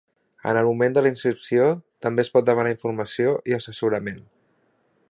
En el moment de la inscripció també es pot demanar informació i assessorament.